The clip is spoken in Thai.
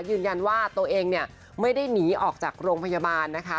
ยืนยันว่าตัวเองเนี่ยไม่ได้หนีออกจากโรงพยาบาลนะคะ